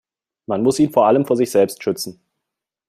Man muss ihn vor allem vor sich selbst schützen.